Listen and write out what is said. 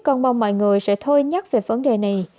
con mong mọi người sẽ thôi nhắc về vấn đề này